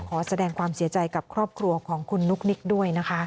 ขอแสดงความเสียใจกับครอบครัวของคุณนุ๊กนิกด้วยนะคะ